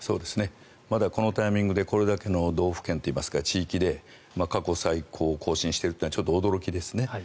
まだこのタイミングでこれだけの道府県といいますか地域で過去最高を更新しているというのは驚きですね。